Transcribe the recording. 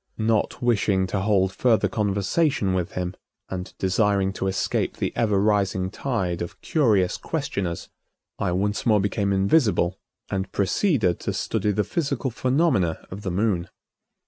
Not wishing to hold further conversation with him, and desiring to escape the ever rising tide of curious questioners, I once more became invisible and proceeded to study the physical phenomena of the Moon.